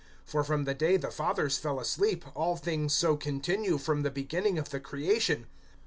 for from the day the fathers fell asleep, all things so continue, from the beginning of the creation.